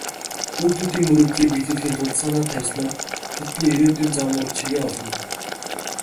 Хүүхдүүдийн мөрөөдлийг биелүүлэхийн тулд санаа тавьснаар тэдний ирээдүйн зам мөр чигээ олно.